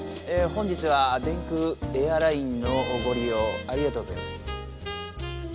本日は電空エアラインのごり用ありがとうございます。